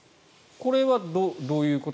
これはどういうこと？